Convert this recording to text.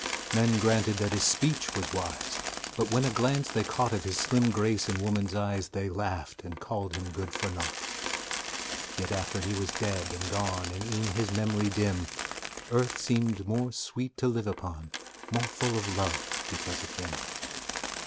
Men granted that his speech was wise, But, when a glance they caught Of his slim grace and woman's eyes, They laughed, and called him good for naught. Yet after he was dead and gone, And e'en his memory dim, Earth seemed more sweet to live upon, More full of love, because of him.